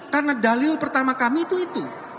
karena dalil pertama kami itu itu